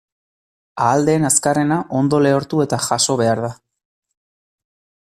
Ahal den azkarrena ondo lehortu eta jaso behar da.